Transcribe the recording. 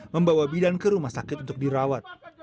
membawa bidan ke rumah sakit untuk dirawat